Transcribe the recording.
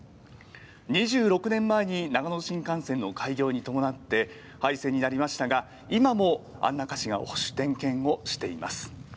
２６年前に長野新幹線の開業に伴って廃線になりましたが、今も安中市が保守点検をしています。